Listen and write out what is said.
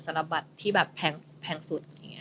สำหรับบัตรที่แบบแพงสุด